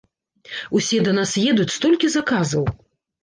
Усе да нас едуць, столькі заказаў!